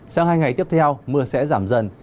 sau hai ngày tiếp theo mưa sẽ giảm dần